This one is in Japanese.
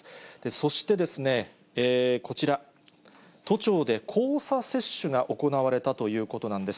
そしてこちら、都庁で交差接種が行われたということなんです。